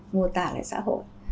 ngô tả lại xã hội